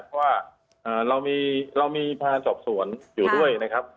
เพราะว่าเรามีพนักงานสอบสวนอยู่ด้วยนะครับ